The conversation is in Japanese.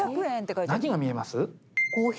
何が見えます？